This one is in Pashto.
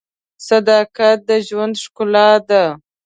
صداقت د ژوند ښکلا ده.